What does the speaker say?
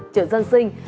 chợ dân sinh